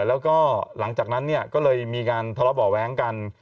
แล้วก็หลังจากนั้นเนี่ยก็เลยมีการทะเลาะเบาะแว้งกัน